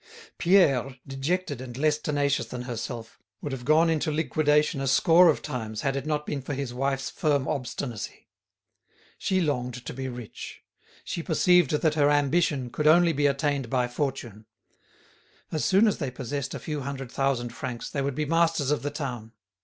Pierre, dejected and less tenacious than herself, would have gone into liquidation a score of times had it not been for his wife's firm obstinacy. She longed to be rich. She perceived that her ambition could only be attained by fortune. As soon as they possessed a few hundred thousand francs they would be masters of the town.